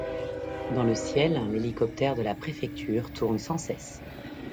Dans le ciel, l'hélicoptère de la préfecture tourne sans cesse.